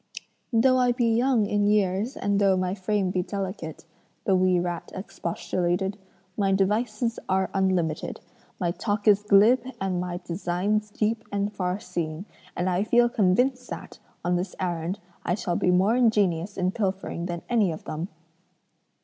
'Though I be young in years and though my frame be delicate,' the wee rat expostulated, 'my devices are unlimited, my talk is glib and my designs deep and farseeing; and I feel convinced that, on this errand, I shall be more ingenious in pilfering than any of them.'